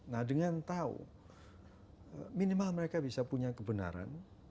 nah dengan tahu minimal mereka bisa punya kebenaran